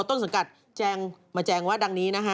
ต้นสังกัดแจงมาแจงว่าดังนี้นะฮะ